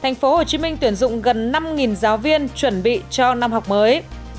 thành phố hồ chí minh tuyển dụng gần năm giáo viên chuẩn bị cho năm học mới